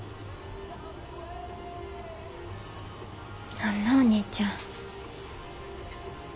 あんなお兄ちゃん。